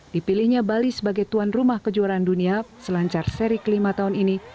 dipilihnya bali sebagai tuan rumah kejuaraan dunia selancar seri kelima tahun ini